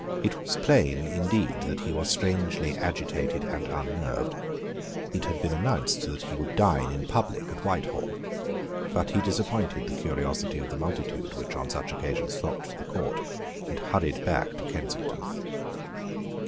It was plain indeed that he was strangely agitated and unnerved. It had been announced that he would dine in public at Whitehall. But he disappointed the curiosity of the multitude which on such occasions flocked to the Court, and hurried back to Kensington.